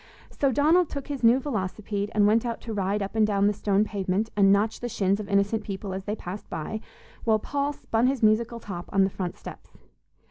So Donald took his new velocipede and went out to ride up and down the stone pavement and notch the shins of innocent people as they passed by, while Paul spun his musical top on the front steps.